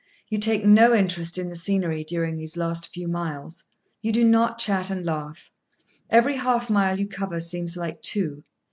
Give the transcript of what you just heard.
You take no interest in the scenery during these last few miles. You do not chat and laugh. Every half mile you cover seems like two.